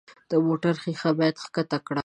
د موټر ښيښه بیا ښکته کړه.